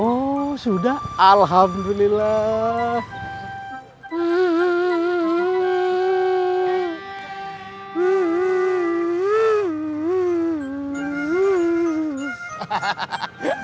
oh sudah alhamdulillah